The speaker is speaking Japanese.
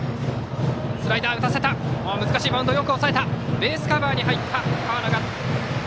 ベースカバーに入った河野。